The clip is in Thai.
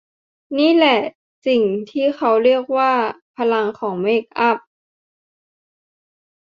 นี่แหละที่เขาเรียกว่าพลังของเมคอัพ